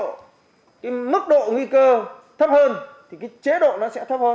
cái mức độ nguy cơ thấp hơn thì cái chế độ nó sẽ thấp hơn